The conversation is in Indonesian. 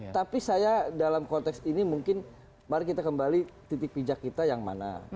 tapi saya dalam konteks ini mungkin mari kita kembali titik pijak kita yang mana